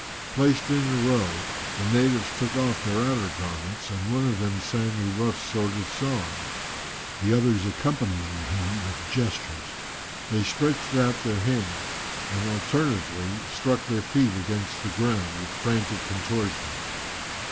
"Placed in a row, the natives took off their outer garments, and one of them sang a rough sort of song, the others accompanying him with gestures. They stretched out their hands, and alternately struck their feet against the ground with frantic contortions.